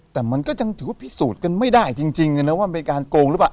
แต่มันก็ยังถือว่าพิสูจน์กันไม่ได้จริงนะว่ามันเป็นการโกงหรือเปล่า